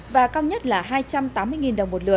và cao nhất là hai trăm tám mươi đồng một lượt